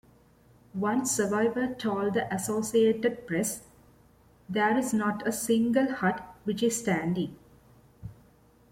One survivor told the Associated Press: There's not a single hut which is standing.